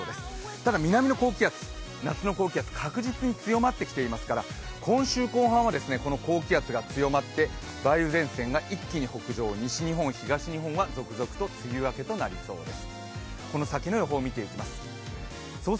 ただ南の高気圧、夏の高気圧、確実に強まってきてますから今週後半は、この高気圧が強まって梅雨前線が一気に北上、西日本、東日本は続々と梅雨明けとなりそうです。